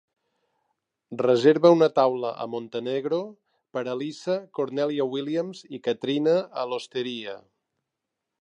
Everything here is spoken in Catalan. reserva una taula a Montenegro per alissa, cornelia williams i katrina a "l'osteria"